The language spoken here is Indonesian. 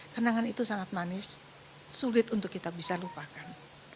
kenangan itu sangat manis sulit untuk kita bisa lupakan